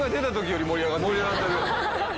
盛り上がってる。